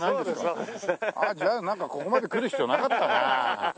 じゃあなんかここまで来る必要なかったな。